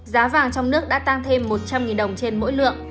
giá vàng trong nước đã tăng thêm một trăm linh đồng trên mỗi lượng